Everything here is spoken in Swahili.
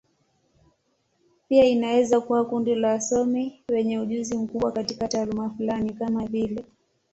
Pia inaweza kuwa kundi la wasomi wenye ujuzi mkubwa katika taaluma fulani, kama vile.